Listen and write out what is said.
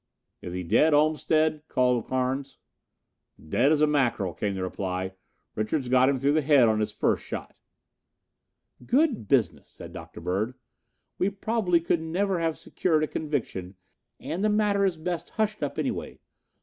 "Is he dead, Olmstead?" called Carnes. "Dead as a mackerel," came the reply. "Richards got him through the head on his first shot." "Good business," said Dr. Bird. "We probably could never have secured a conviction and the matter is best hushed up anyway.